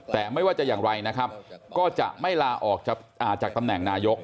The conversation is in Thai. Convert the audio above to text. แต่ไม่ว่าจะอย่างไรนะครับก็จะไม่ลาออกจากตำแหน่งนายก